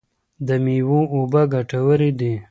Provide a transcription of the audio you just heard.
د مېوو اوبه ګټورې دي.